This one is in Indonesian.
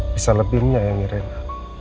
bisa lebih menyayangi rena